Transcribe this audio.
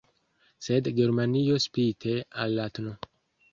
Sed Germanio spite al la tn.